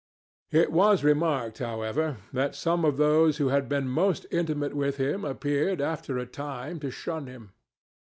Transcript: It was remarked, however, that some of those who had been most intimate with him appeared, after a time, to shun him.